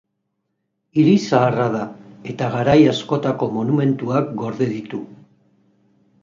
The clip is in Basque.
Hiri zaharra da, eta garai askotako monumentuak gorde ditu.